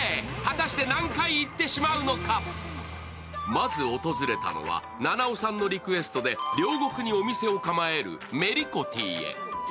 まず訪れたのは菜々緒さんのリクエストで両国にお店を構えるＭＥＲＩＫＯＴＩへ。